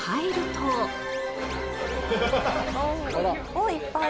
おっいっぱい。